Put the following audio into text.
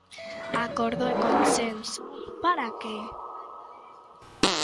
Acordo e consenso, ¿para que?